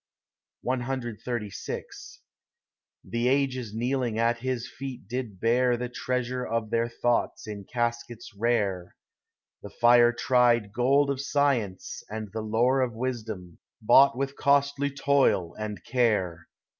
CXXXVI The Ages kneeling at his feet did bear The treasure of their thoughts in caskets rare— The fire tried gold of science, and the lore Of wisdom, bought with costly toil and care.